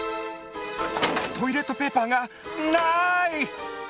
トイレットペーパーがない！